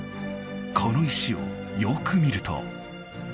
この石をよく見ると。